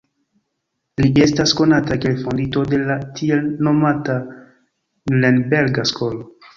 Li estas konata kiel fondinto de la tiel nomata Nurenberga Skolo.